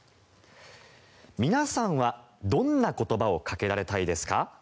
皆さんはどんな言葉をかけられたいですか？